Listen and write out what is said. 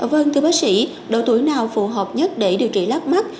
vâng thưa bác sĩ độ tuổi nào phù hợp nhất để điều trị lác mắt